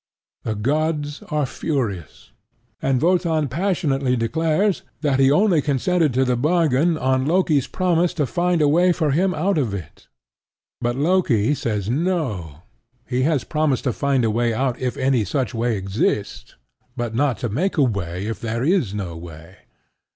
The gods are furious; and Wotan passionately declares that he only consented to the bargain on Loki's promise to find a way for him out of it. But Loki says no: he has promised to find a way out if any such way exist, but not to make a way if there is no way.